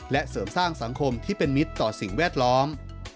และเสริมสร้างสังคมที่เป็นมิตรต่อสิ่งแวดล้อม